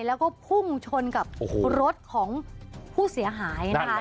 แล้วก็พุ่งชนกับรถของผู้เสียหายนะคะ